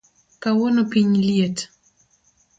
Kawuono piny liet